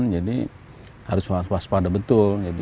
jadi harus waspada betul